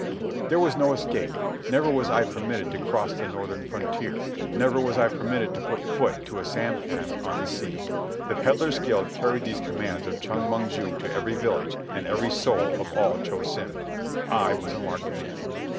There was no escape. Never was I permitted to cross the northern frontier. Never was I permitted to put foot to a sampan on the sea. The Peddlers' Guild carried these commands of Chong Mong ju to every village and every soul in all Cho Sen. I was a marked man.